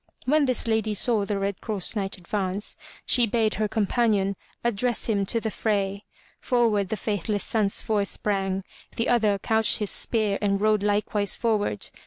When this lady saw the Red Cross Knight advance, she bade her companion address him to the fray. Forward the faithless Sansfoy sprang. The other couched his spear and rode likewise forward.